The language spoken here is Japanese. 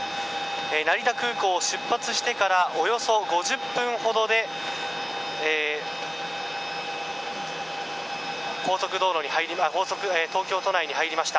成田空港を出発してからおよそ５０分ほどで東京都内に入りました。